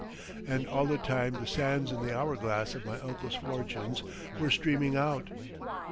And all the time the sands in the hour glass of my uncle's fortunes were streaming out.